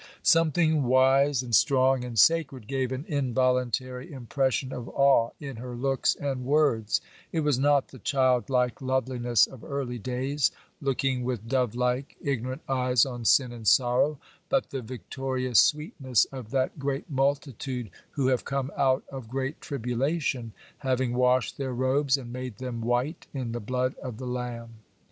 Something wise and strong and sacred gave an involuntary impression of awe in her looks and words; it was not the child like loveliness of early days, looking with dove like, ignorant eyes on sin and sorrow; but the victorious sweetness of that great multitude who have come out of great tribulation, having washed their robes and made them white in the blood of the Lamb.